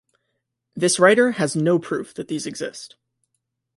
This writer has no proof that these exist.